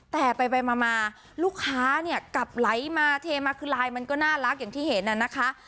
แต่ไปมาลูกค้าเนี่ยกลับไหลมาเทมาคือไลน์มันก็น่ารักอย่างที่เห็นน่ะนะคะ